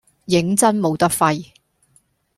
認真冇得揮